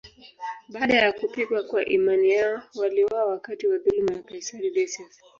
Baada ya kupigwa kwa imani yao, waliuawa wakati wa dhuluma ya kaisari Decius.